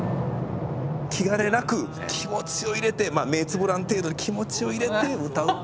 気兼ねなく気持ちを入れて目つぶらん程度に気持ちを入れて歌うと。